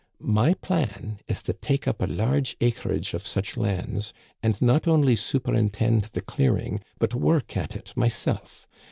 My plan is to take up a large acreage of such lands, and not only superintend the clearing, but work at it myself.